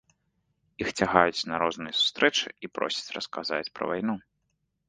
Іх цягаюць на розныя сустрэчы і просяць расказаць пра вайну.